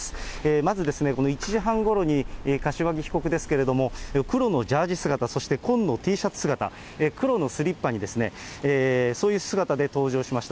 まずこの１時半ごろに、柏木被告ですけれども、黒のジャージ姿、そして紺のＴシャツ姿、黒のスリッパにですね、そういう姿で登場しました。